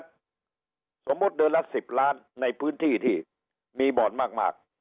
สมมุติเดือนละ๑๐ล้านในพื้นที่ที่มีบ่อนมาก